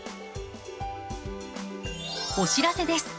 お知らせです。